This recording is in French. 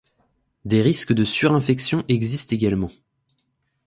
Des risques de surinfection existent également.